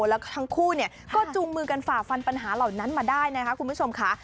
แล้วทั้งคู่ก็จูงมือกันฝ่าฟันปัญหาเหล่านั้นมาได้นะคะคุณผู้ชมค่ะ